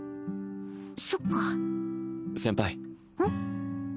そっか先輩うん？